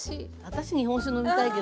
私日本酒飲みたいけどね。